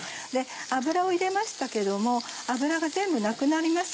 油を入れましたけども油が全部なくなります。